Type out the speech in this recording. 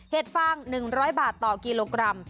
ฟาง๑๐๐บาทต่อกิโลกรัม